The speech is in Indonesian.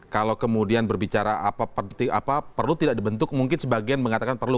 kalau kemudian berbicara apa perlu tidak dibentuk mungkin sebagian mengatakan perlu